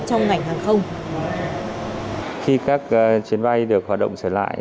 trong ngành hàng không